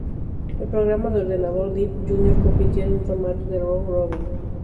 El programa de ordenador Deep Junior compitió en un formato de round robin.